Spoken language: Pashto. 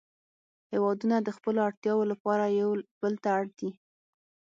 هیوادونه د خپلو اړتیاوو لپاره یو بل ته اړ دي